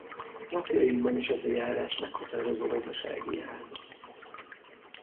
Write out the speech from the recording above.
Napjainkban is ez a járás meghatározó gazdasági ága.